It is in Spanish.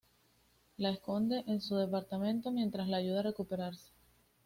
La esconde en su departamento mientras la ayuda a recuperarse.